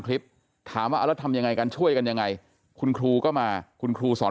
คลิปถามว่าเอาแล้วทำยังไงกันช่วยกันยังไงคุณครูก็มาคุณครูสอน